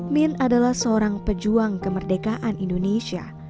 min adalah seorang pejuang kemerdekaan indonesia